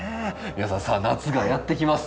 皆さんさあ夏がやって来ます。